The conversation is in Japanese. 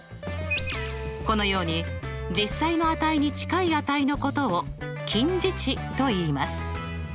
このように実際の値に近い値のことを近似値といいます。